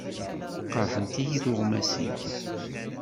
Qerrḥent-iyi tuɣmas-iw.